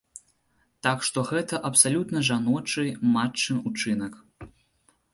Так што гэта абсалютна жаночы, матчын учынак.